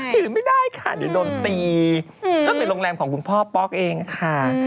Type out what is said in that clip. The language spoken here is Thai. ถือไม่ได้ค่ะเดี๋ยวโดนตีตั้งแต่โรงแรมของคุณพ่อป๊อกเองค่ะ